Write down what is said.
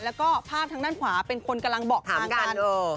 แล้วก็ภาพทางด้านขวาเป็นคนกำลังบอกทางกัน